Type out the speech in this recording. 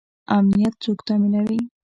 امنیت څوک تامینوي؟